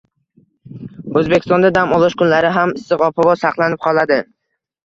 O‘zbekistonda dam olish kunlari ham issiq ob-havo saqlanib qoladi